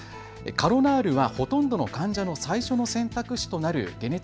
カロナールはほとんどの患者の最初の選択肢となる解熱